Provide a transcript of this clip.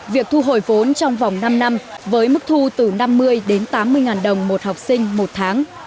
việc thu hồi vốn trong vòng năm năm với mức thu từ năm mươi đến tám mươi ngàn đồng một học sinh một tháng